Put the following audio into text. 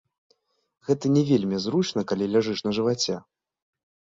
Гэта не вельмі зручна, калі ляжыш на жываце.